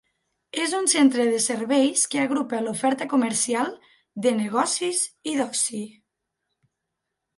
És un centre de serveis que agrupa l'oferta comercial, de negocis i d'oci.